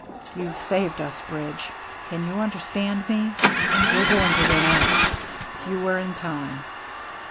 "You've saved us, Bridge; can you understand me? We're going to win out. You were in time."